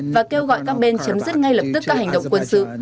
và kêu gọi các bên chấm dứt ngay lập tức các hành động quân sự